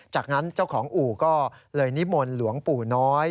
จากนั้นเจ้าของอู่ก็เลยนิมนต์หลวงปู่น้อย